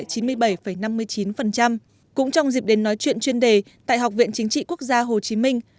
cũng trong dịp đến nói chuyện chuyên đề tại học viện chính trị quốc gia hồ chí minh